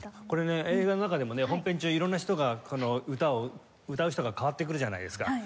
これね映画の中でもね本編中色んな人がこの歌を歌う人が代わってくるじゃないですか。